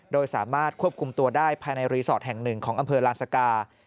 โดยสามารถควบคุมตัวได้ภายในรีสอร์ทแห่งหนึ่งของอำเภอลานสกา